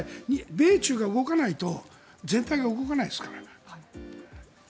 米中が動かないと全体が動かないですから。